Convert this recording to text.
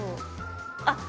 あっ！